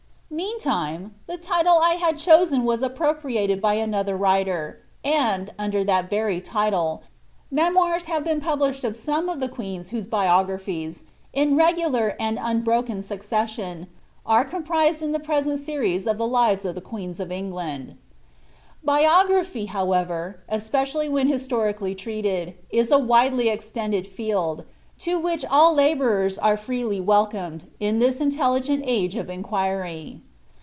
Meantime, the title I had chosen was appropriated by another writer, and, under that very title, memoirs have been published of iome of the queens whose biographies, in regular and unbroken succession, are comprised in the present series of the *' Lives of the Q,ueens of England.'* Biography, however, especially when historically treated, is a widely extended field, to which all labourers are freely welcomed, in this intelligent age of inquiry.